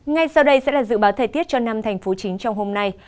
ngay sau đây sẽ là dự báo thời tiết cho năm thành phố chính trong hôm nay